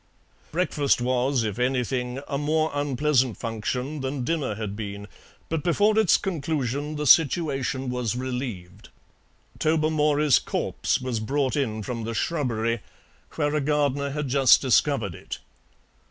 Breakfast was, if anything, a more unpleasant function than dinner had been, but before its conclusion the situation was relieved. Tobermory's corpse was brought in from the shrubbery, where a gardener had just discovered it.